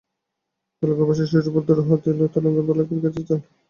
তেলেগু ভাষার শিশুপাঠও দুরূহ, কিন্তু ত্রৈলঙ্গের বালকের কাছে তাহা জলের মতো সহজ।